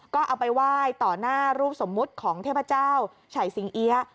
ก็เอาไปไหว้ต่อหน้ารูปสมมุติของเทพเจ้าฉ่ายสิงเอี๊ยะ